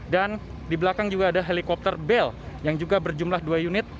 dan di belakang juga ada helikopter bell yang juga berjumlah dua unit